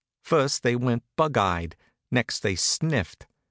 First they went bug eyed. Next they sniffed.